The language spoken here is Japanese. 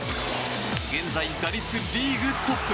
現在、打率リーグトップ。